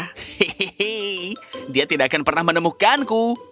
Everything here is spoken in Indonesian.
heihi dia tidak akan pernah menemukanku